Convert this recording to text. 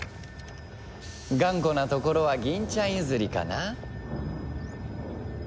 頑固なところはギンちゃん譲りかな？